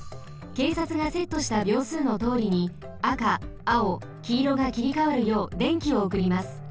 けいさつがセットしたびょうすうのとおりにあかあおきいろがきりかわるようでんきをおくります。